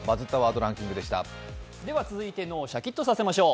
続いて、脳をシャッキとさせましょう。